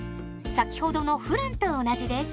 先ほどのフランと同じです。